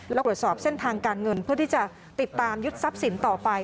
และตรวจสอบเส้นทางการเงินเพื่อที่จะติดตามยึดทรัพย์สินต่อไป